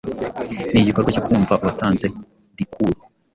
nigikorwa cyo kumva uwatanze diikuru